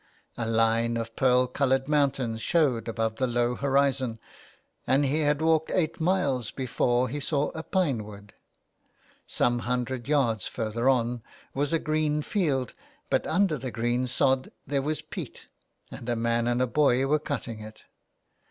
A line of pearl coloured mountains showed above the low horizon, and he had walked eight miles before he saw a pine wood. Some hundred yards further on there was a green field, but under the green sod there was peat, and a man and a boy were cutting it.